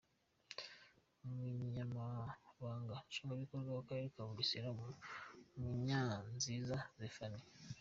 Umunyamabanga Nshingwabikorwa w’akarere ka Bugesera, Munyanziza Zéphanie.